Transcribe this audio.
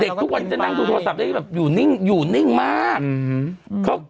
เด็กทุกคนจะนั่งคือโทรศัพท์ได้อยู่นิ่งมาก